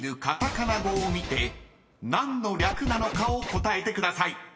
カタカナ語を見て何の略なのかを答えてください］